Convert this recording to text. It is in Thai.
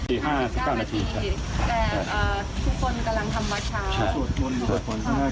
การทำให้มันตามกฎหมายจะพูดมาก